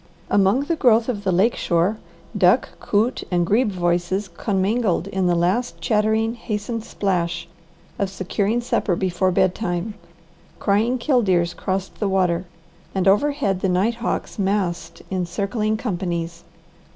Among the growth of the lake shore, duck, coot, and grebe voices commingled in the last chattering hastened splash of securing supper before bedtime; crying killdeers crossed the water, and overhead the nighthawks massed in circling companies.